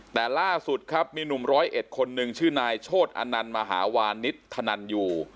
แต่ล่าสุดครับมีหนุ่มร้อยเอ็ดคนหนึ่งชื่อนายโชธอนันต์มหาวานิสธนันยู